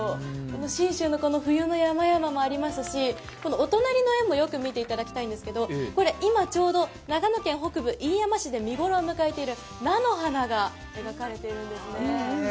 信州の冬の山々もありますし、お隣の絵もよく見ていただきたいんですけど今ちょうど長野県北部飯山市で見頃を迎えている菜の花が描かれているんですね。